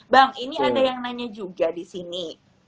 bang ini ada yang nanya juga di sini